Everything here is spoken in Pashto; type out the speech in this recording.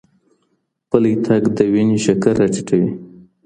پلی تګ د وینې شکر راټیټوي.